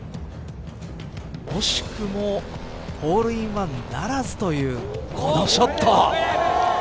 惜しくもホールインワンならずというこのショット。